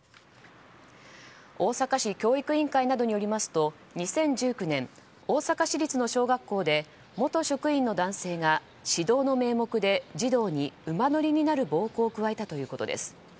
大阪市教育委員会などによりますと２０１９年、大阪市立の小学校で元職員の男性が、指導の名目で児童に馬乗りになる暴行を加えたということです。